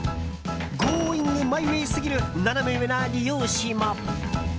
ゴーイング・マイ・ウェイすぎるナナメ上な理容師も。